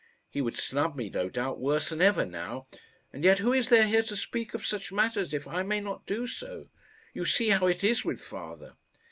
He would snub me, no doubt, worse than ever now; and yet who is there here to speak of such matters if I may not do so? You see how it is with father."